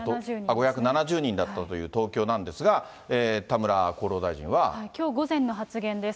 ５７０人だったという東京なきょう午前の発言です。